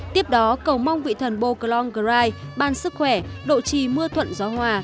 tiếp đó cầu mong vị thần bô long grai ban sức khỏe độ trì mưa thuận gió hòa